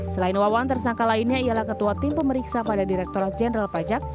selain wawan tersangka lainnya ialah ketua tim pemeriksa pada direktorat jenderal pajak